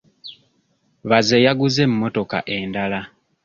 Bbaze yaguze emmotoka endala.